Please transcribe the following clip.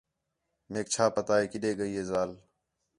میک چَھا پتا ہے کِݙے ڳئی ہِے ذال